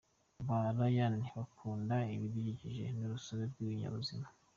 Ba Rayane bakunda ibidukikije n’urusobe rw’ibinyabuzima